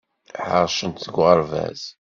Ḥarcent deg uɣerbaz.